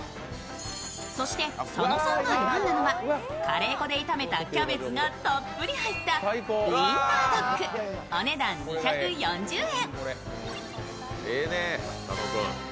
そして佐野さんが選んだのはカレー粉で炒めたキャベツがたっぷり入ったウインナードッグお値段２４０円。